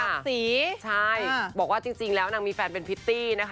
สีใช่บอกว่าจริงแล้วนางมีแฟนเป็นพิตตี้นะคะ